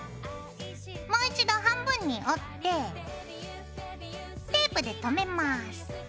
もう一度半分に折ってテープで留めます。